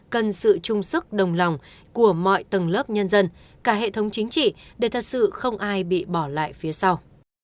cần sự trung sức đồng lòng của mọi tầng lớp nhân dân cả hệ thống chính trị để thật sự không ai bị bỏ lại phía sau